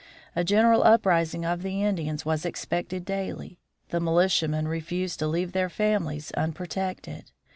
A general uprising of the Indians was expected daily. The militiamen refused to leave their families unprotected.